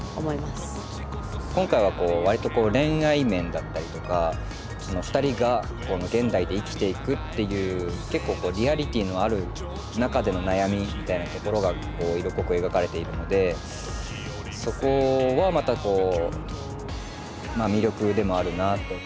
今回はこう割と恋愛面だったりとか２人が現代で生きていくっていう結構リアリティーのある中での悩みみたいなところが色濃く描かれているのでそこはまた魅力でもあるなあと。